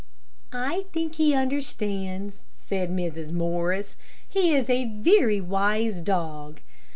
"I think he understands," said Mrs. Morris. "He is a very wise dog."